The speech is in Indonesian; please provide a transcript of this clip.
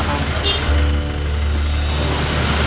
ah eh kan